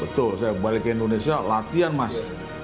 betul saya balik ke indonesia latihan mas